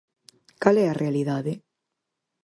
Cal é a realidade?